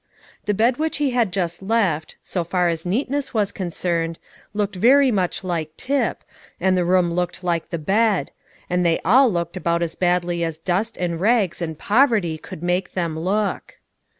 The bed which he had just left, so far as neatness was concerned, looked very much like Tip, and the room looked like the bed; and they all looked about as badly as dust and rags and poverty could make them look.